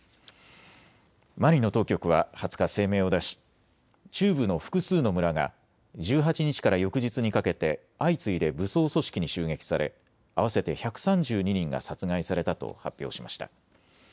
マリの当局は２０日、声明を出し中部の複数の村が１８日から翌日にかけて相次いで武装組織に襲撃され合わせて１３２人が殺害されたと発表しました。